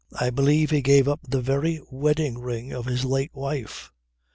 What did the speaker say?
I believe he gave up the very wedding ring of his late wife.